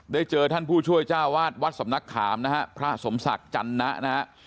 เจอท่านผู้ช่วยเจ้าวาดวัดสำนักขามนะฮะพระสมศักดิ์จันนะนะฮะ